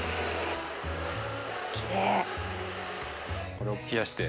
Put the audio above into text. これを冷やして。